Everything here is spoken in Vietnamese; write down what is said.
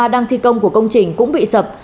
đang thi công của công trình cũng bị sập